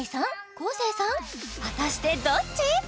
昴生さん果たしてどっち？